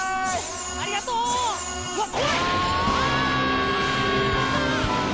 ありがとう！わあ！